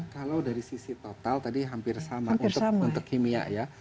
kalau dari sisi total tadi hampir sama untuk kimia ya